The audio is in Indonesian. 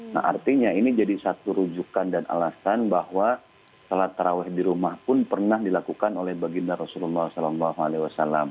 nah artinya ini jadi satu rujukan dan alasan bahwa sholat taraweh di rumah pun pernah dilakukan oleh baginda rasulullah saw